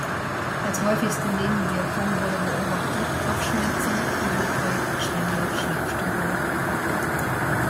Als häufigste Nebenwirkungen wurden beobachtet: Kopfschmerzen, Übelkeit, Schwindel, Schlafstörungen.